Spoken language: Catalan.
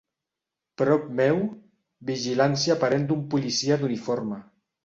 Prop meu, vigilància aparent d'un policia d'uniforme.